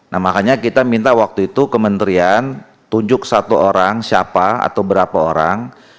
nah makanya kita minta waktu itu kementerian tunjuk satu orang siapa atau berapa orang